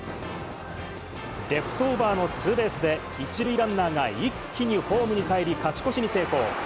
レフトオーバーのツーベースで、１塁ランナーが一気にホームにかえり、勝ち越しに成功。